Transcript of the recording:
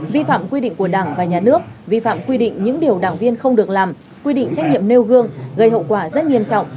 vi phạm quy định của đảng và nhà nước vi phạm quy định những điều đảng viên không được làm quy định trách nhiệm nêu gương gây hậu quả rất nghiêm trọng